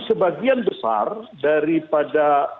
sebagian besar daripada